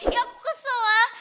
ya aku kesel lah